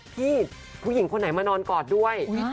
พี่ผู้หญิงคนไหนมานอนกอดด้วย